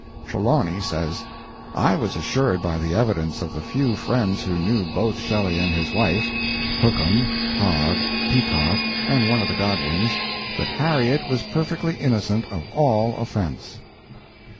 Trelawney says: "I was assured by the evidence of the few friends who knew both Shelley and his wife Hookham, Hogg, Peacock, and one of the Godwins that Harriet was perfectly innocent of all offense."